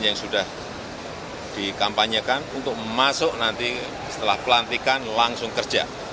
yang sudah dikampanyekan untuk masuk nanti setelah pelantikan langsung kerja